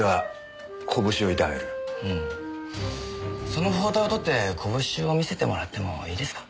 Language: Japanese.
その包帯を取って拳を見せてもらってもいいですか？